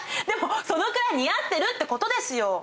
でもそのくらい似合ってるってことですよ。